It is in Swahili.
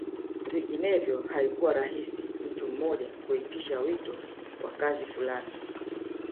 Vinginevyo haikuwa rahisi mtu mmoja kuitisha wito wa kazi fulani